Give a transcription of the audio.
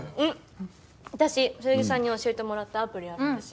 私そよぎさんに教えてもらったアプリあるんですよ。